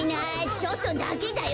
ちょっとだけだよ。